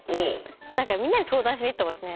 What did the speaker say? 何かみんなに相談しに行ってますね。